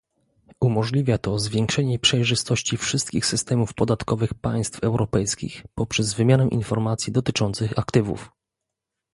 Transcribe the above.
Umożliwia to zwiększenie przejrzystości wszystkich systemów podatkowych państw europejskich poprzez wymianę informacji dotyczących aktywów